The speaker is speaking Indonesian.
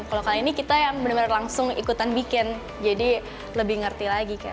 kalau kali ini kita yang benar benar langsung ikutan bikin jadi lebih ngerti lagi